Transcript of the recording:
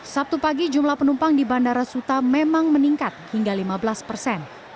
sabtu pagi jumlah penumpang di bandara suta memang meningkat hingga lima belas persen